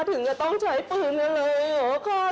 ถึงก็ต้องใช้ปืนกันเลย